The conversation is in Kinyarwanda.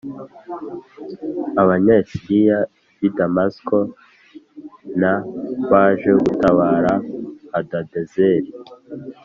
Abanyasiriya b i Damasiko n baje gutabara Hadadezeri